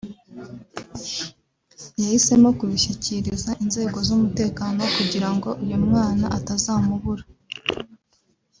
yahisemo kubishyikiriza inzego z’umutekano kugira ngo uyu mwana atazamubura